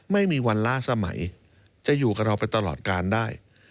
ไม่มีวันล่าสมัยจะอยู่กับเราไปตลอดการได้